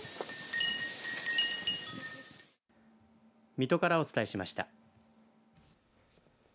水戸からお伝えしました。